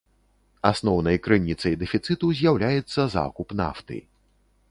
Асноўнай крыніцай дэфіцыту з'яўляецца закуп нафты.